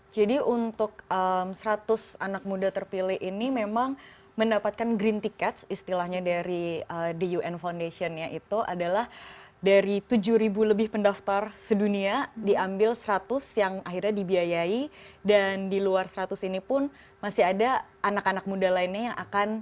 jadi untuk seratus anak muda terpilih ini memang mendapatkan green ticket istilahnya dari the un foundation ya itu adalah dari tujuh ribu lebih pendaftar sedunia diambil seratus yang akhirnya dibiayai dan di luar seratus ini pun masih ada anak anak muda lainnya yang akan dibiayai